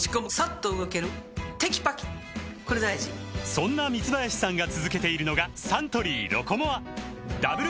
そんな三林さんが続けているのがサントリー「ロコモア」ダブル